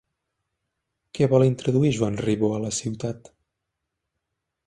Què vol introduir Joan Ribó a la ciutat?